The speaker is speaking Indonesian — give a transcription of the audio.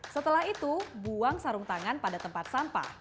setelah itu buang sarung tangan pada tempat sampah